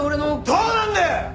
どうなんだよ！？